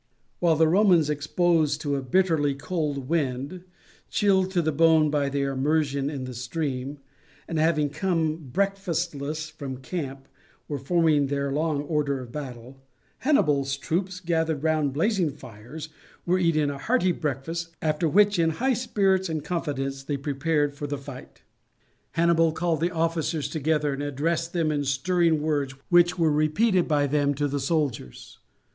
While the Romans, exposed to a bitterly cold wind, chilled to the bone by their immersion in the stream, and having come breakfastless from camp, were forming their long order of battle, Hannibal's troops, gathered round blazing fires, were eating a hearty breakfast; after which, in high spirits and confidence, they prepared for the fight. Hannibal called the officers together and addressed them in stirring words, which were repeated by them to the soldiers.